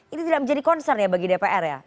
ini tidak menjadi konsernya bagi dpr ya